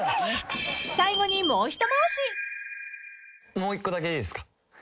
もう１個だけいいですか？